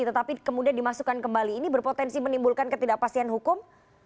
tetapi kemudian dimasukkan kembali ini berpotensi menimbulkan ketidakpastian hukum